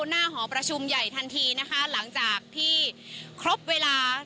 หอประชุมใหญ่ทันทีนะคะหลังจากที่ครบเวลา